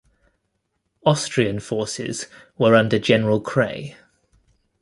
Austrian forces were under General Kray.